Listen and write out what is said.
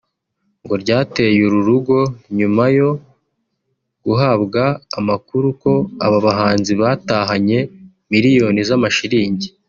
ngo ryateye uru rugo nyuma yo guhabwa amakuru ko aba bahanzi batahanye miliyoni z’amashiringi